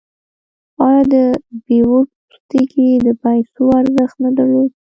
آیا د بیور پوستکي د پیسو ارزښت نه درلود؟